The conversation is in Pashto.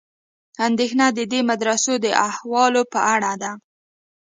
اندېښنه د دې مدرسو د احوالو په اړه ده.